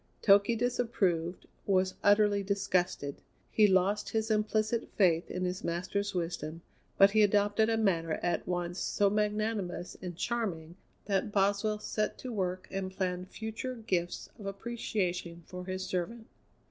Toky disapproved, was utterly disgusted; he lost his implicit faith in his master's wisdom, but he adopted a manner at once so magnanimous and charming that Boswell set to work and planned future gifts of appreciation for his servant.